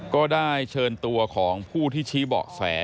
ก็ได้เชิญตัวของผู้ที่ชี้เบาะแส